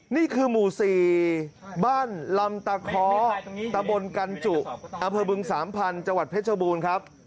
นี่คือหมู่๔บ้านลำตะคอตะบนกันจุอำเภอบึงสามพันธุ์จังหวัดเพชรบูรณ์ครับ